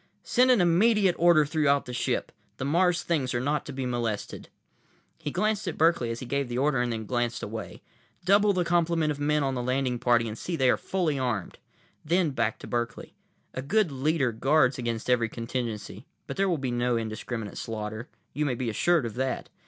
"Send an immediate order throughout the ship. The Mars things are not to be molested." He glanced at Berkeley as he gave the order, and then glanced away. "Double the complement of men on the landing party and see that they are fully armed." Then back to Berkeley, "A good leader guards against every contingency. But there will be no indiscriminate slaughter. You may be assured of that.